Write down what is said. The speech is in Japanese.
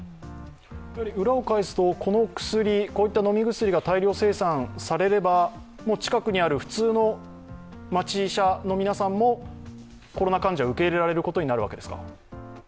裏を返すと、こういった飲み薬が大量生産されれば、近くにある普通の町医者の皆さんもコロナ患者を受け入れられることになるんですか？